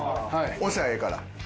押しゃあええから。